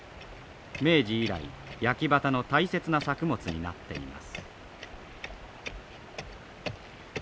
明治以来焼畑の大切な作物になっています。